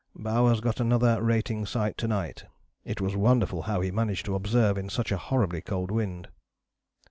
"Bowers got another rating sight to night it was wonderful how he managed to observe in such a horribly cold wind."